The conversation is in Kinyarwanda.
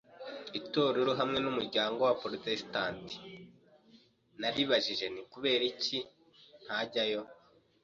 itorero hamwe n’umuryango w’Abaprotestanti. Naribajije nti ‘’Kubera iki ntajyayo